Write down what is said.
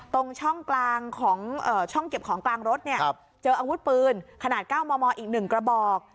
ตรงช่องเก็บของกลางรถเจออาวุธปืนขนาด๙มอีก๑กระบอก